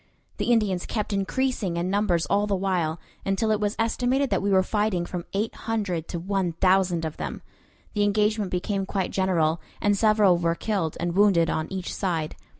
The Indians kept increasing in numbers all the while, until it was estimated that we were fighting from eight hundred to one thousand of them. The engagement became quite general, and several were killed and wounded on each side.